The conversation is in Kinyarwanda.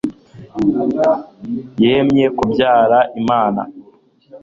Yemwe kubyara Imana